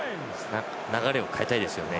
流れを変えたいですよね。